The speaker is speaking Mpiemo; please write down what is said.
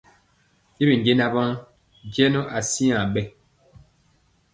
Y bi jɛɛnaŋ waŋ jɛŋɔ asiaŋ bɛ.